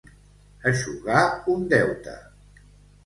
Eixugar un deute.